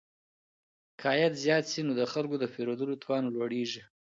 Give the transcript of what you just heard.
که عايد زيات سي نو د خلګو د پيرودلو توان لوړيږي.